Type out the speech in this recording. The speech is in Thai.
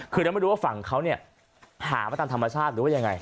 คือเราไม่รู้ว่าฝั่งเขาเนี่ยหามาตามธรรมชาติหรือว่ายังไง